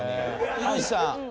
井口さん